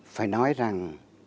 phải nói rằng